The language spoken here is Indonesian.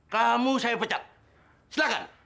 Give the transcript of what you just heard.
kamu saya pecat silahkan